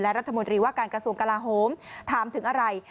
รัฐมนตรีว่าการกระทรวงกลาโฮมถามถึงอะไร